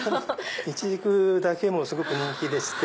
イチジクだけもすごく人気でして。